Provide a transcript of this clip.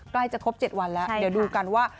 ใกล้จะครบ๗วันแล้วเดี๋ยวดูกันว่า